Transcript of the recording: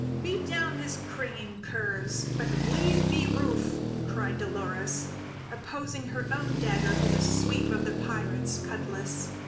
"Beat down his cringing curs, but leave me Rufe!" cried Dolores, opposing her own dagger to the sweep of the pirate's cutlas.